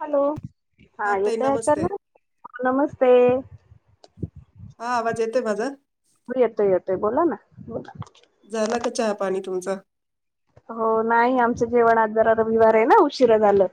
Hello हा ताई येतंय नमस्ते. ऐकायला? नमस्ते. हा आवाज येतोय माझा? हो येतोय येतोय बोला ना बोला. झाला का चहा पाणी तुमचा? हो. नाही आमचं जेवण आज जरा रविवार आहे ना, उशिरा झालं.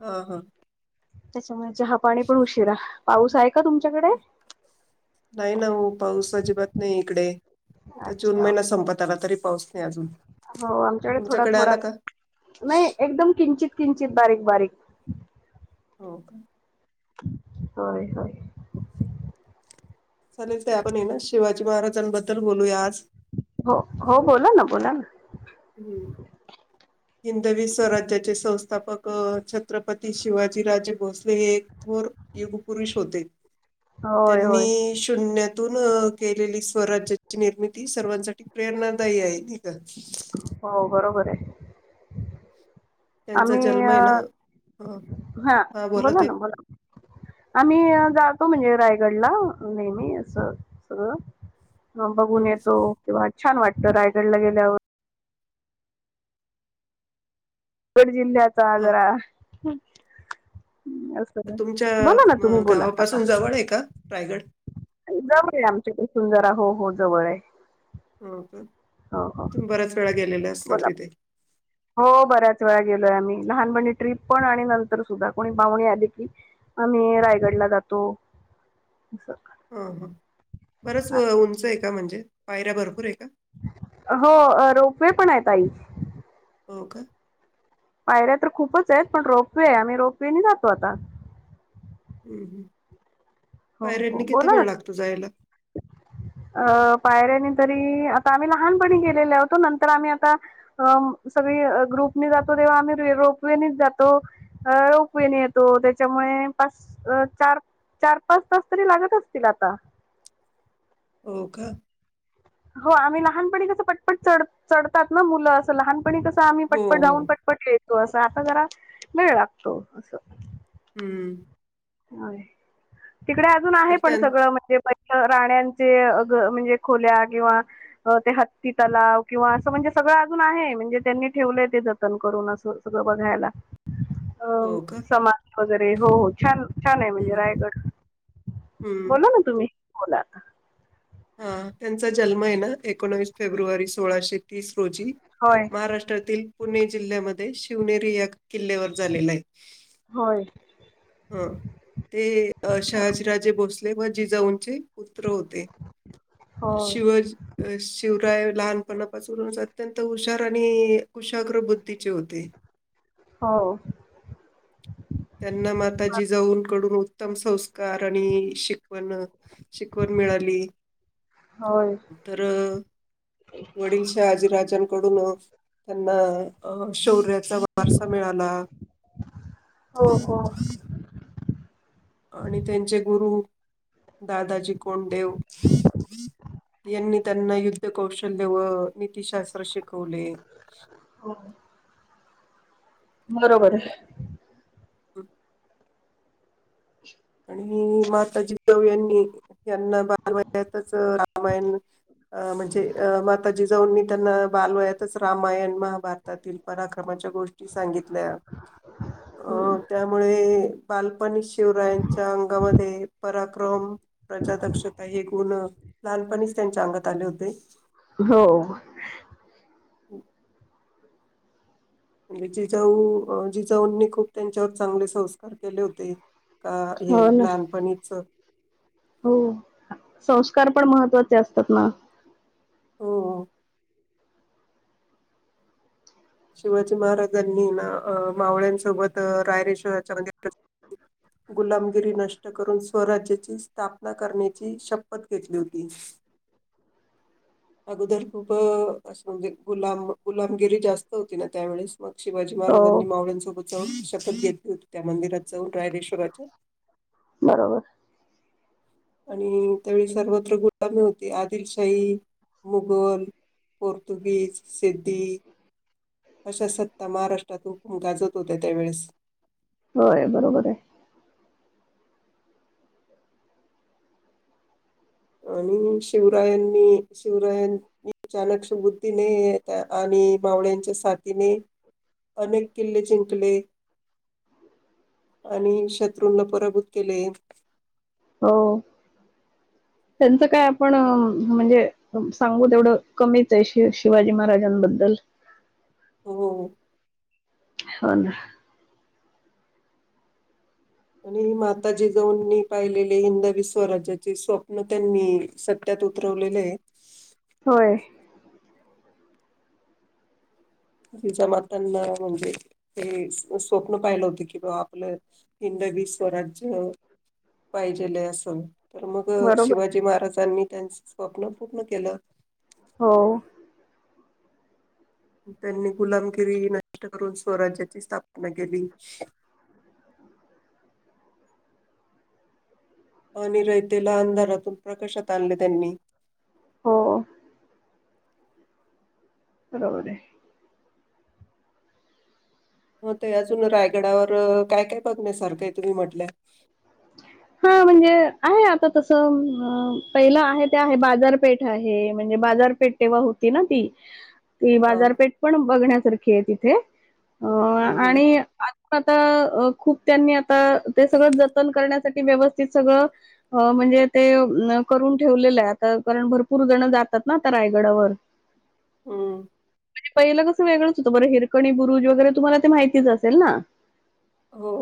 हा हा. त्याच्यामुळे चहापाणी पण उशिरा. पाऊस आहे का तुमच्याकडे नाही ना हो पाऊस अजिबात नाही इकडे. आता जून अच्छा महिना संपत आला तरी पाऊस नाही अजून. हो आमच्याकडे थोडा तुमच्याकडे थोडा आला का? नाही. एकदम किंचित किंचित बारीक बारीक. हो का. होय होय. चालेल ते आपणए ना शिवाजी महाराजांबद्दल बोलूया आज. हो हो बोला ना बोला ना. हम्म. हिंदवी स्वराज्याचे संस्थापक छत्रपती शिवाजीराजे भोसले हे थोर युगपुुरुष होते. होय होय त्यांनी शून्यात तून केलेली स्वराज्याची निर्मिती सर्वांसाठी प्रेरणादायी आहे नै का? हो बरोबरे. त्यांचा आमी जन्म अ आहे ना, अ, हा बोला ना बोला. आम्ही जातो म्हणजे रायगडला नेहमी असं सगळं मग बघून हं, येतो तेव्हा छान वाटतं रायगडला गेल्यावर. रगड जिल्ह्याचा हां. आजरा असं ना तुमच्या बोला ना तुम्ही अ, बोला आता. गावापासून जवळ आहे का रायगड? जवळे आमच्याकडे सुंदरा हो हो जवळ आहे. हो का. हो हो तुम्ही बऱ्याच वेळा गेलेल्या असताल बोला तिथे. हो बऱ्याच वेळा गेलोय आम्ही. लहानपणी ट्रीप पण आणि नंतर सुद्धा कोणी पाहुणी आली की आम्ही रायगडला जातो असं ह ह बरच उंच आहे का म्हणजे? पायऱ्या भरपूर आहे का? हो रोपवे पण आहे ताई. हो का? पायऱ्या तर खूपचएत, पण रोपवे आहे आम्ही रोपवेनी जातो आता. हम्म हम्म. हो हो बोला ना तुम्ही, अ पायऱ्यानी तरी आता आम्ही लहानपणी गेलेले होतो नंतर आम्ही आता अं सगळी ग्रुपने जातो. तेव्हा आम्ही रे रोपवेनीच जातो रोपवेनी येतो त्याच्यामुळे पाच चार चार पाच तास तरी लागत असतील आता. हो का? हो आम्ही लहानपणी कसं पटपट चढ चढतात ना मुलं अस लहान पण कसं आम्ही हो, पटपट हो. जाऊन पटपट यायचो. आता आता जरा वेळ लागतो असं. हम्म. हा तिकडे अजून आहे तर पण त्यां सगळं म्हणजे प राण्यांचे म्हणजे खोल्या किंवा ते हत्ती तलाव किंवा असं म्हणजे सगळं अजून आहे म्हणजे त्यांनी ठेवलंय ते जतन करून असं सगळं बघायला. अ हो का? समाज वगैरे हो हो छान छान आहे हं, म्हणजे हं. रायगड. हं. बोला ना तुम्ही. बोला आता. हा त्यांचा जल्मए ना एकोणवीस फेब्रुवारी सोळाशे. तीस रोजी होय महाराष्ट्रातील पुणे जिल्ह्यामध्ये शिवनेरी या. किल्ल्यावर झालेला आहे. होय ह ते अ शहाजीराजे भोसले व जिजाऊंचे पुत्र होते होय शिव-ज शुवृ. लहानपणापासूनच अत्यंत हुशार आणि कुशाग्र बुद्धीचे होते. हो. त्यांना माताजी जिजाऊकडून उत्तम संस्कार आणि शिक. पण शिकवण मिळाली. होय तर अ.. वडील शहाजीराजांकडून अ त्यांना अ शौ्र्या.. वारसा मिळाला. हो हो आणि त्यांचे गुरु. दादाजी कोंडदेव यांनी त्यांना युद्ध- कौशल्य व नीतीशास्त्र शिकवले. बरोबर आहे. ह्म्म्म आणि... माताजी जिजाऊ यांनी यांना बालवयातचं - रामायण अ म्हणजे अ माताजी जिजाऊ मी त्यांना बालवयातच रामायण महा- भारतातील पराक्रमाच्या गोष्टी सांगितल्या अ त्यामुळे.... बालपणी शिवरायं. त्यांचा अंगामध्ये पराक्रम प्रजादक्षता हे गुण लहानपणीच त्यांच्या अंगात- आले होते. हो. [inaudible] म्हणजे जिजाऊ जिजाऊंनी खूप त्यांच्यावर चांगले संस्कार केले होते. का हे हो ना लहानपणीचं. हो संस्कार पण महत्त्वाचे असतात ना. हो. शिवाजी महाराजांनी ना मावळ्यांसोबत रायरेश्वराच्या [inaudible] गुलामगिरी नष्ट करून स्वराज्याची स्थापना करण्याची शपथ घेतली होती. [inaudible] अगोदर खूप अ असं म्हणजे गुलाम गुलामगिरी जास्त होती ना त्यावेळेस. मग शिवाजी हो महाराजांनी मावळ्यांसोबत- शपथ घेतली होती त्या मंदिरात जावून रायरेश्वराच्या. बरोबर. आणि त्यावेळी सर्वत्र गुलामी होती आदिलशाही मुघल. पोर्तुगीज, सिद्धी. अशा सत्ता महाराष्ट्रात हुकुम गाजत होत्या त्यावेळेस. होय बरोबर आहे. आणि शिवरायांनी शिवरायांनी अ चाणक्ष बुद्धीने आणि- मावळ्यांच्या साथीने अनेक किल्ले जिंकले. आणि शत्रूंना पराभूत केले. हो. [inaudible] त्यांचं काय आपण अ - म्हणजे सांगू तेवढं कमीच आहे श- शिवाजी महाराजांबद्दल. हो. हो ना. आणि माताजिजाऊंनी पाहिलेले हिंदवी स्वराज्याचे स्वप्न त्यांनी सत्यात- उतरवलेलं. होय. जिजा मातानी म्हणजे ते स्वप्न पाहिलं होत की बा आपलं हिंद - स्वराज्य पाहिजेल असं तर मग बरोबर आहे. शिवाजी महाराजांनी त्यांचं स्वप्न पूर्ण केलं हो त्यांनी गुलामगिरी नष्ट करून स्वराज्याची स्थापना केली. [inaudible] आणि रयतेला अंधारातून प्रकाशात आणले त्यांनी. हो बरोबर आहे. हो ते अजून रायगडावर काय- काय बघण्यासारखं आहे तुम्ही म्हटल्या हा म्हणजे आहे आता तसं पहिलं आहे ते आहे बाजारपेठ आहे म्हणजे बा बाजारपेट तेव्हा होती ना ती ती हा. बाजारपेठ पण बघण्यासारखी आहे तिथे अ हं, हं. आणि आता खूप त्यांनी आता ते सगळं ज जतन करण्यासाठी व्यवस्थित सगळं म्हणजे ते करून ठेवलं आहे आता कारण भरपूर पूर जण जातात ना आता रायगडावर हम्म म्हणजे पहिलं कसं वेगंच होतं बरं हिरकणी बुरुज वगैरे तुम्हाला ते माहितीच असेल ना हो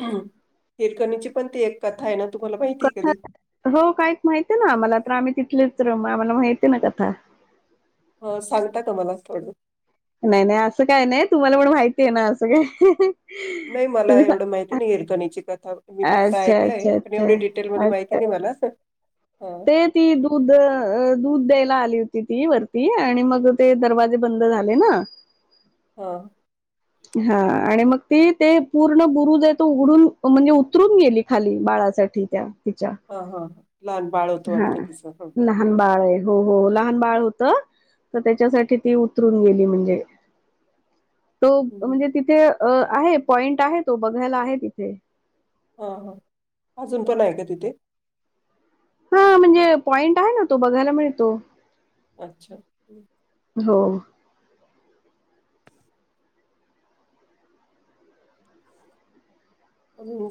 हिरकणीची पण ती एक कथा आहे ना. तुम्हाला माहिती क आहे कधी? हो काय माहि आहे ना मला तर आम्ही तिथ कलीच रमा आम्हाला माहिती ना कथा अ सांगता का मला थोडं नाही नाही असं काय नाही तुम्हाला पण माहिती आहे ना असं काय हाह हा हाह नाही मला एवढं माहिती नाही हिरकणी ची कथा मी फक्त अच्छा ऐकलंय, अच्छा पण अच्छा एवढी डिटेल मध्ये माहिती अच्छा नाही मला. हां. ते ती दूध दूध द्यायला आली. आली होती ती वरती आणि मग ते दरवाजे बंद झाले ना. हो हा आणि मग ती ते पूर्ण बुरु ज आहे तो उघडून म्हणजे उतरून गेली खाली बा त्या तिच्या हां, हां. लहान बाळ होतं हा वाटतं तिचं. हं. लहान बाळ आहे. हो हो लहान बाळ होत. तर त्याच्यासाठी ती उतरून गेली म्हणजे [inaudible] तो म्हणजे तिथे आहे पॉइंट आहे तो बघायला आहे तिथे हा हा अजून पण आहे का तिथे हा म्हणजे पॉइंट आहे ना तो बघायला मिळतो. अच्छा हो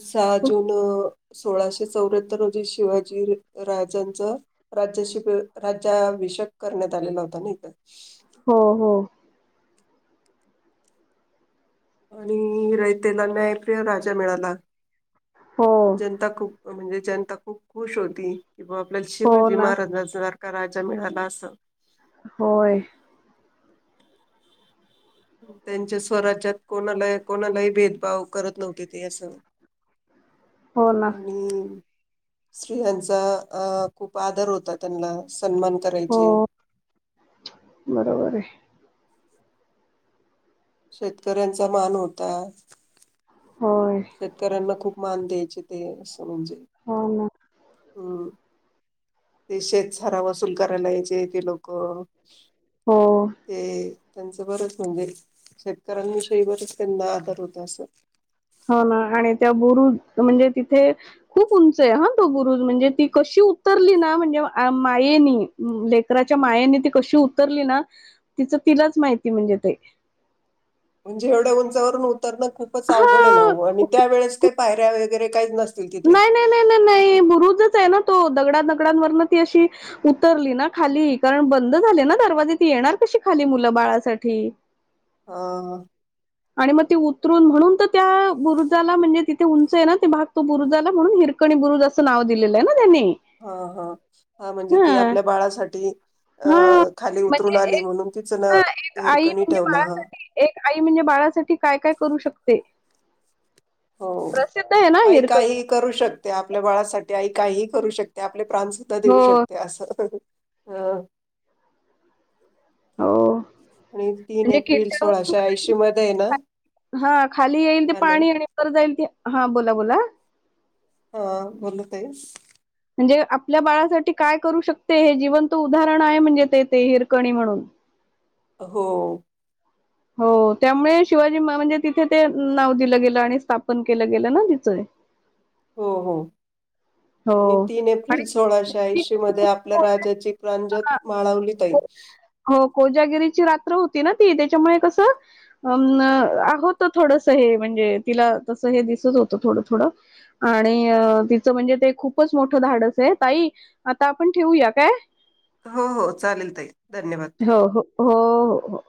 सहा जून सोळाशे चौऱ्याहत्तर रोजी. शिवाजी राजांच राज्याशी राज्याभिषेक करण्यात आलेला होता ना इथं. हो हो आणि रयतेला न्यायप्रिय राजा मिळाला हो जनता खूप. म्हणजे जनता खूप खुश होती की बा आपल्याला हो शिवाजी ना महाराज असणार राजा मिळाला असं! होय त्यांच्या स्वराज्यात कोणाला कोणालाही भेदभाव करत नव्हते ते असं हो ना आणि स्त्रियांचा अ खूप आदर होता त्यांना सन्मान हो करायचे बरोबर आहे शेतकऱ्यांचा मान होता होय शेतकऱ्यांना खूप मान द्यायचे ते म्हणजे हा हम्म ते शेतसारा वसूल करायला यायचे ते लोक हो ते त्यांचं बरंच म्हणजे शेतकऱ्यांविषयी बरच त्यांना आदर होत असं हा ना आणि त्या बुरुज म्हणजे तिथे खूप उंच आहे हा तो बुरुज म्हणजे ती कशी ती उतरली ना म्हणजे आ मायेनी लेकराच्या मायेनी ती कशी उतरली ना तिचं तिलाच माहिती म्हणजे ते [inaudible] म्हणजे एवढ्या उंचावरून उतरणं खूपच अवघड ना आणि हा त्यावेेळेस काही पायऱ्या वगरे काहीच नस नाही नाही नाही नाही नाही बुरुजच आहे ना तो दगडा दगडांवरन ती अशी उतरली ना खाली कारण बंद झाले ना दरवाजे ती येणार कशी खाली मुलं बाळासाठी एक ह आणि मग ते उतरून म्हणून तर त्या बुरुजाला म्हणजे तिथे उंच आहे ना ते भाग तो बुरुजाला म्हणून हिर कणी असं नाव दिलेलं आहे ना त्यांनी हा हा हा म्हणजे ती आपल्या बाळासाठी अ हा खाली उतरून म्हणजे आली एक म्हणून तिच ना हा एक आई हिरकणी म्हणजे ठेवलं ह बाळासाठी एक आई म्हणजे बाळासाठी काय काय करू शकते हो प्रसिद्ध आहे ना आई हिरकणी काही करू शकते आपल्या बाळासाठी आई काही करू शकते आप आपले प्राणसुद्धा देऊ हो शकते असं अ हो आणि तीन म्हणजे एप्रिल किल्ल्यावरून सोळाशे ऐंशी मध्ये आहे ना हा खाली येईल ते हॅलो पाणी आणि बर जाईल ते हा बोला बोला हा बोलत आहेस म्हणजे आपल्या बाळासाठी काय करू शकते हे जिवंत उदाहरण आहे म्हणजे ते ते हिरकणी म्हणून हो हो त्यामुळे शिवाजी म्हणजे तिथे ते नाव दिलं गेलं आणि स्थापन केलं गेलं ना तिचं हो-हो आणि हो तीन एप्रिल सोळाशे आणि ऐंशी मध्ये आपल्या राजाची प्रांजत माळवली जाईल हो कोजागिरीची रात्र होती ना ती त्याच्यामुळे कसं अम न होत थोडस हे म्हणजे हे तीला तस हे दिसत होत थोड थोडं आणि तिचं म्हणजे ते खूपच मोठं धाडस आहे ताई आता आपण ठेवूया काय हो-हो चालेल ताई धन्यवाद हो-हो-हो